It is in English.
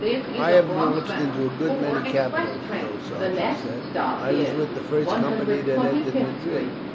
"I have marched into a good many capitals," the old sergeant said. "I was with the first company that entered Madrid.